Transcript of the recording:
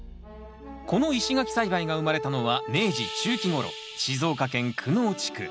この石垣栽培が生まれたのは明治中期ごろ静岡県久能地区。